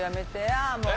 ああもう。